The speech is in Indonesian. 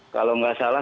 kalau nggak salah